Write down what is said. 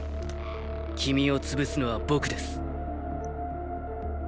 君を潰すのは僕です。